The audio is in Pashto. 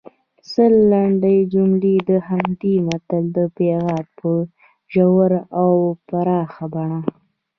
سل لنډې جملې د همدې متن د پیغام په ژوره او پراخه بڼه